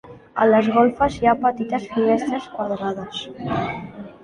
A les golfes hi ha petites finestres quadrades.